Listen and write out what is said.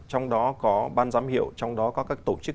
trong đó có ban giám hiệu trong đó có các tổ chức